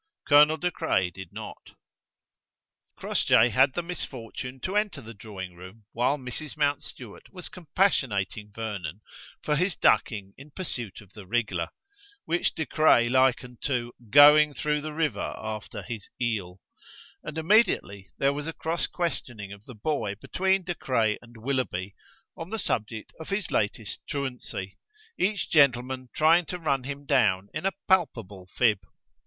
Colonel De Craye did not! Crossjay had the misfortune to enter the drawing room while Mrs. Mountstuart was compassionating Vernon for his ducking in pursuit of the wriggler; which De Craye likened to "going through the river after his eel:" and immediately there was a cross questioning of the boy between De Craye and Willoughby on the subject of his latest truancy, each gentleman trying to run him down in a palpable fib.